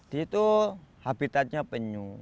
di situ habitatnya penyu